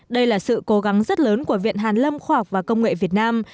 đây là sự cố gắng rất lớn của viện hàn lâm khoa học và công nghệ việt nam